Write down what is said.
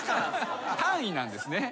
単位なんですね。